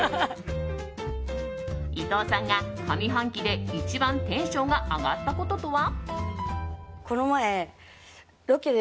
伊藤さんが上半期で一番テンションが上がったこととは？